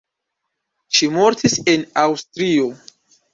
Ŝi mortis en Aŭstrio.